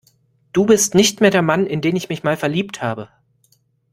Du bist nicht mehr der Mann, in den ich mich mal verliebt habe.